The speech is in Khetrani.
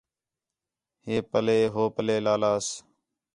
ہِے پَلّے ہو پَلّے لا لاس